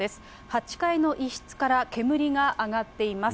８階の一室から煙が上がっています。